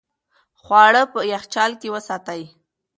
خواړه په یخچال کې وساتئ.